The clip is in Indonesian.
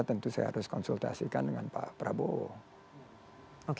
tentu saya harus konsultasikan dengan pak prabowo